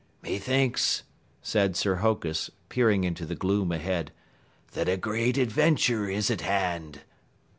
"Methinks," said Sir Hokus, peering into the gloom ahead, "that a great adventure is at hand."